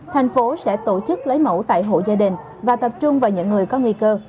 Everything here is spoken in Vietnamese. thành phố sẽ tổ chức lấy mẫu tại hộ gia đình và tập trung vào những người có nguy cơ